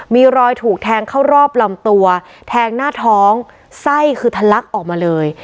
มีรอยถูกแทงเข้ารอบลำตัวแทงหน้าท้องไส้คือทะลักออกมาเลย